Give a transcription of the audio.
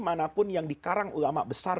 manapun yang dikarang ulama besar